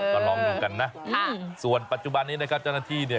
ก็ลองดูกันนะส่วนปัจจุบันนี้นะครับเจ้าหน้าที่เนี่ย